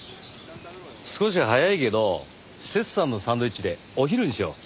少し早いけどセツさんのサンドイッチでお昼にしよう。